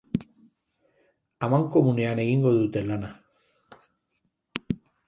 Amankomunean egingo dute lana